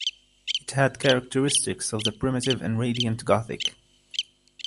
It had characteristics of the primitive and radiant Gothic.